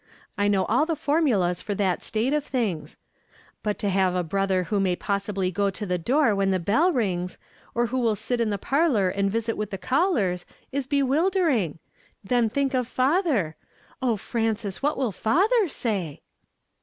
I know all the formulas for that state of things ; but to have a brother who may possibly go to the door when the bell rings, or who will sit in the parlor and visit with the callers, is bewihlering. Then think of father! O Frances ! what will father say